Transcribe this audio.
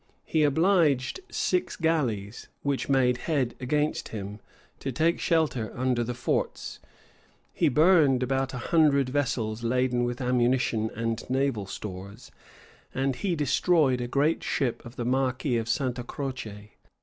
He obliged six galleys, which made head against him, to take shelter under the forts: he burned about a hundred vessels laden with ammunition and naval stores; and he destroyed a great ship of the marquis of Santa Croce.